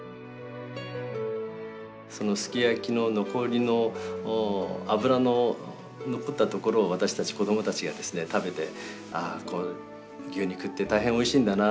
そのすき焼きの残りの脂の残ったところを私たち子供たちが食べてああ牛肉って大変おいしいんだな